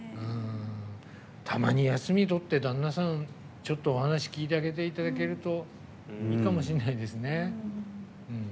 たまに休みとって、旦那さんちょっとお話聞いていただけるといいかもしれないですね。